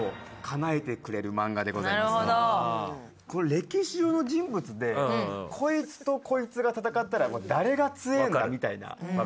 歴史上の人物で、こいつとこいつが戦ったら誰が強ええんだみたいな。